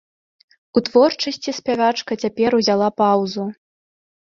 У творчасці спявачка цяпер узяла паўзу.